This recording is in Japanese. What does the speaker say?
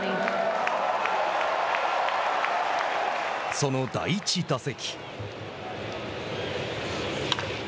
その第１打席。